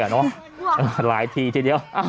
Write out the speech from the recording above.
แน่นอนหลายทีทีเดียว